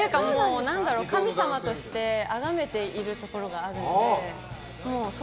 神様としてあがめているところがあるので。